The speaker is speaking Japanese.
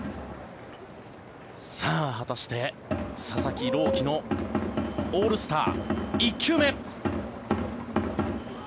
果たして、佐々木朗希のオールスター、１球目。